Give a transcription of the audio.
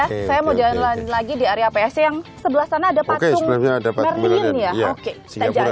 saya mau jalan jalan lagi di area psc yang sebelah sana ada pak sung merlin ya oke sebelah sana ada pak merlin